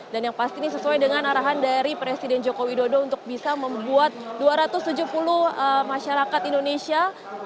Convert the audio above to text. dan yang pasti ini sesuai dengan arahan dari presiden joko widodo untuk bisa membuat dua ratus tujuh puluh masyarakat indonesia